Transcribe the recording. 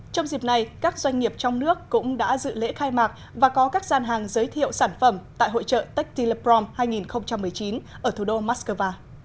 trong dịp này các doanh nghiệp trong nước cũng đã dự lễ khai mạc và có các gian hàng giới thiệu sản phẩm tại hội trợ textile prom hai nghìn một mươi chín ở thủ đô moscow